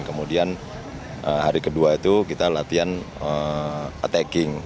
kemudian hari kedua itu kita latihan attacking